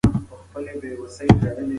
کېدای سي فقر تر هغه زیات وي چې ګومان کوو.